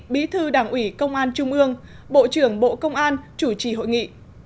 bí thư đảng ủy công an trung ương bộ trưởng bộ công an chủ trì hội nghị